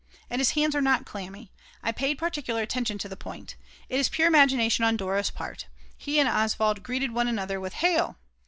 And his hands are not clammy, I paid particular attention to the point; it is pure imagination on Dora's part. He and Oswald greeted one another with Hail!